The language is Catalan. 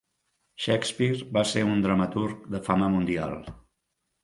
Shakespeare va ser un dramaturg de fama mundial.